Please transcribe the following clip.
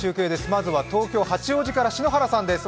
まずは東京・八王子から篠原さんです。